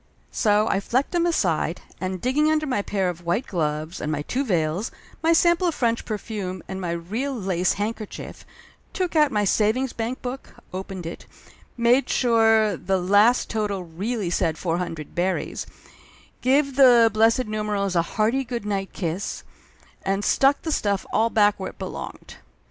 So I flecked him aside and, digging under my pair of white gloves and my two veils, my sample of French Laughter Limited 37 perfume and my real lace handkerchief, took out my savings bank book, opened it, made sure the last total really said four hundred berries, give the blessed numerals a hearty good night kiss, and stuck the stuff all back where it belonged.